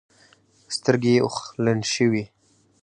سترګې يې اوښلن شوې.